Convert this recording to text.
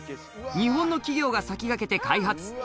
日本の企業が先駆けて開発。